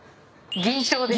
銀賞です。